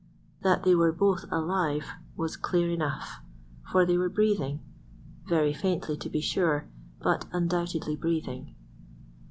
That they were both alive was clear enough, for they were breathing—very faintly, to be sure, but undoubtedly breathing.